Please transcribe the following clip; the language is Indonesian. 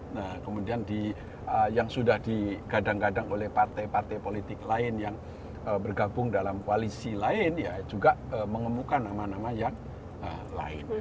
nah kemudian yang sudah digadang gadang oleh partai partai politik lain yang bergabung dalam koalisi lain ya juga mengemukan nama nama yang lain